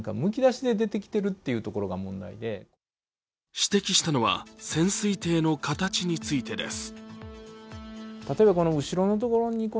指摘したのは、潜水艇の形についてです。